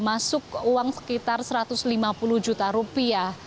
masuk uang sekitar satu ratus lima puluh juta rupiah